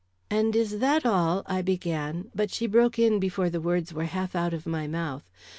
"And is that all " I began; but she broke in before the words were half out of my mouth.